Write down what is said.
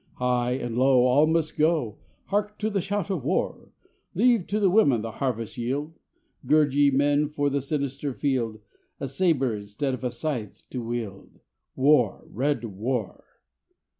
High and low, all must go: Hark to the shout of War! Leave to the women the harvest yield; Gird ye, men, for the sinister field; A sabre instead of a scythe to wield: War! Red War!